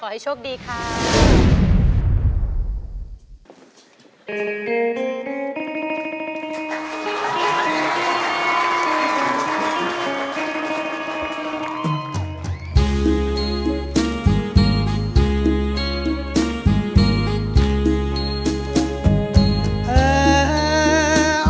ขอให้โชคดีครับ